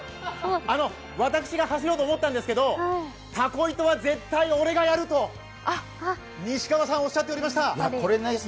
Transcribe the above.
私が走ろうと思ったんですけど、たこ糸は絶対俺がやると西川さん、おっしゃっていました。